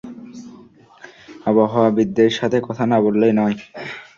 আবহাওয়াবীদের সাথে কথা না বললেই নয়!